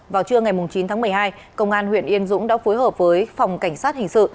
vào trưa ngày chín tháng một mươi hai công an huyện yên dũng đã phối hợp với phòng cảnh sát hình sự